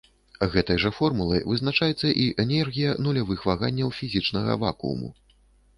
Гэтай жа формулай вызначаецца і энергія нулявых ваганняў фізічнага вакууму.